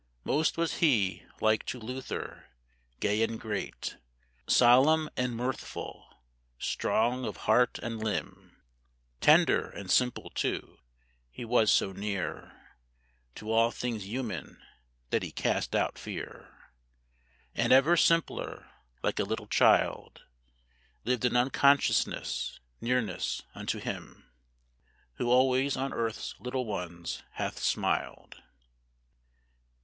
Most was he like to Luther, gay and great, Solemn and mirthful, strong of heart and limb. Tender and simple too; he was so near To all things human that he cast out fear, And, ever simpler, like a little child, Lived in unconscious nearness unto Him Who always on earth's little ones hath smiled.